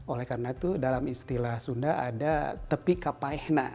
oleh karena itu dalam istilah sunda ada tepi kapaihna